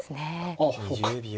あそうか。